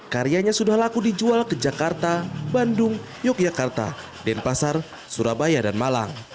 karyanya sudah laku dijual ke jakarta bandung yogyakarta denpasar surabaya dan malang